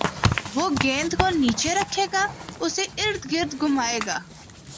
وہ گیند کو نیچے رکھے گا اُسے اردگرد گھمائے گا